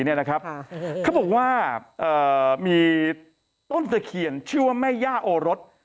เขาบอกว่ามีต้นตะเคียนชื่อว่าแม่ย่าโอรส